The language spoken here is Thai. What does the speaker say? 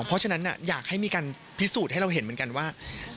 เพราะฉะนั้นอยากให้มีการพิสูจน์ให้เราเห็นเหมือนกันว่า